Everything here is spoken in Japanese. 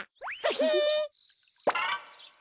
ヒヒヒ。